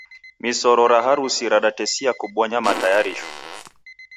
Misoro ra harusi radatesia kubonya matayarisho